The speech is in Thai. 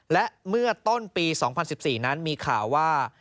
และเมื่อต้นปี๒๐๑๔นั้นมีข่าวว่า